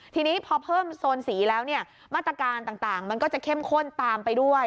ทีนี้พอเพิ่มโซนสีแล้วเนี่ยมาตรการต่างมันก็จะเข้มข้นตามไปด้วย